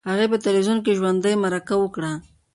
هغې په تلویزیون کې ژوندۍ مرکه وکړه.